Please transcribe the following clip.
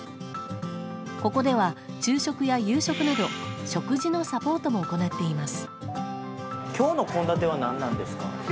ここでは昼食や夕食など食事のサポートも行っています。